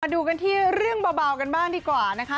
ดูกันที่เรื่องเบากันบ้างดีกว่านะคะ